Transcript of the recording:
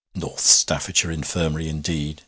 North Staffordshire Infirmary indeed!